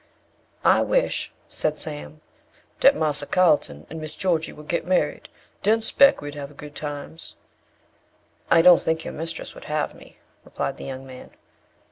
"I wish," said Sam, "dat Marser Carlton an Miss Georgy would get married; den, speck, we'd have good times." "I don't think your mistress would have me," replied the young man.